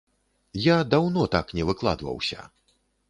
Я даўно так не выкладваўся.